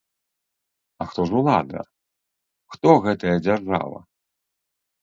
А хто ж улада, хто гэтая дзяржава?!